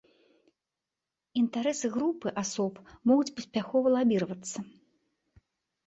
Інтарэсы групы асоб могуць паспяхова лабіравацца.